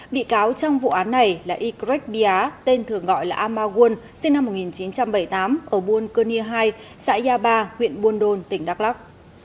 bị cáo trong vụ án này là y greg bia tên thường gọi là amargun sinh năm một nghìn chín trăm bảy mươi tám ở buôn cơ nia hai xã yaba huyện buôn đôn tỉnh đắk lắc